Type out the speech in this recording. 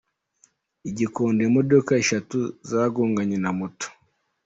I Gikondo imodoka Eshatu zagonganye na moto